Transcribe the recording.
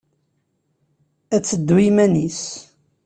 Ad teddu i yiman-nnes.